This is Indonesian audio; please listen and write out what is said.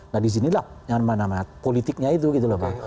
nah disinilah yang mana mana politiknya itu gitu loh pak